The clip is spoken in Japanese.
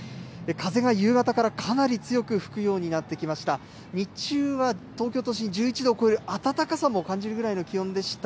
風が夕方からかなり強く吹くようになってきました。